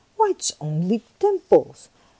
" Why, it 's only Dimples !